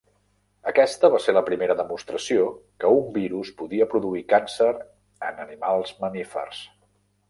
Aquesta va ser la primera demostració que un virus podia produir càncer en animals mamífers.